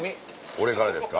俺からですか？